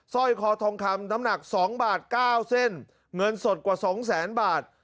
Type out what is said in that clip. สร้อยคอทองคำน้ำหนัก๒บาท๙เส้นเงินสดกว่าสองแสนบาท